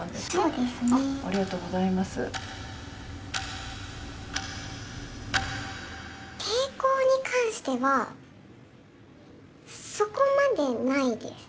抵抗に関してはそこまでないです。